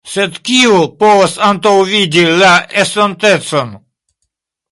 Sed kiu povas antaŭvidi la estontecon?